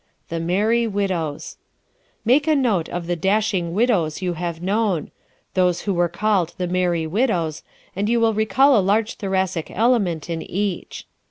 The "Merry Widows" ¶ Make a note of the "dashing widows," you have known those who were called "the merry widows" and you will recall a large Thoracic element in each.